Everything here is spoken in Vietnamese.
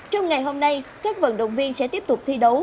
trong ngày hôm nay các vận động viên sẽ tiếp tục thi đấu